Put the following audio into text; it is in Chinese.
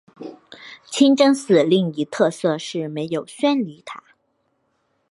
清真寺另一特色是没有宣礼塔。